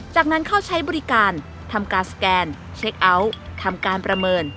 จากนั้นเข้าใช้บริการทำการสแกนเช็คเอาท์ทำการประเมิน